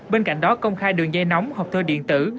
bên cạnh đó công khai đường dây nóng học thơ điện tử